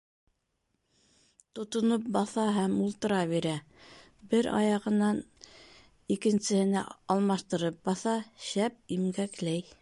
Тотоноп баҫа һәм ултыра бирә, бер аяғынан икенсеһенә алмаштырып баҫа, шәп имгәкләй.